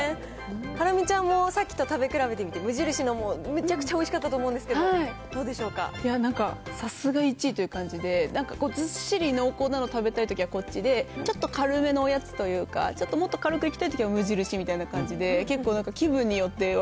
ハラミちゃんもさっきと食べ比べて、無印のもむちゃくちゃおいしかったと思うんですが、どうでしょうなんかさすが１位という感じで、ずっしり濃厚なの食べたいときは、こっちで、ちょっと軽めのおやつというか、ちょっともっと軽くいきたいときは無印というふうに、結構気分に確かに。